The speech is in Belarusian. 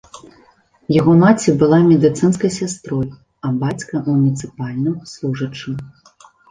Яго маці была медыцынскай сястрой, а бацька муніцыпальным служачым.